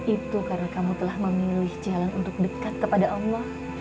itu karena kamu telah memilih jalan untuk dekat kepada allah